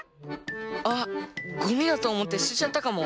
あっゴミだとおもってすてちゃったかも。